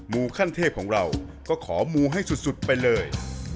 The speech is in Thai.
ูขั้นเทพของเราก็ขอมูให้สุดไปเลย